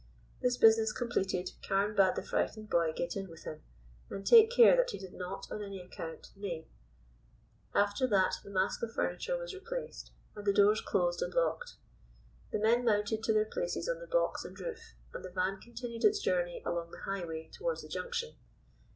This business completed, Carne bade the frightened boy get in with him, and take care that he did not, on any account, neigh. After that the mask of furniture was replaced, and the doors closed and locked. The men mounted to their places on the box and roof, and the van continued its journey along the highway towards the Junction.